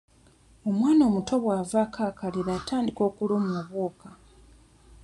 Omwana omuto bw'avaako akalira atandika okulumwa obwoka.